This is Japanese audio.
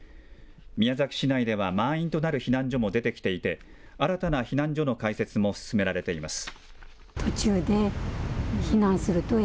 宮崎市内では満員となる避難所も出てきていて、新たな避難所の開設も進められています。